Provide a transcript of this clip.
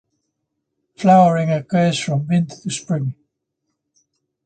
Flowering occurs from winter to spring.